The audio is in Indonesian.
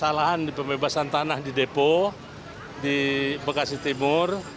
kesalahan di pembebasan tanah di depo di bekasi timur